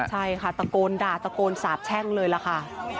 ใช่ค่ะตะโกนด่าตะโกนสาบแช่งเลยล่ะค่ะ